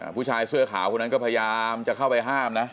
ผู้ชายเสื้อขาวคนนั้นก็พยายามจะเข้าไปห้ามนะ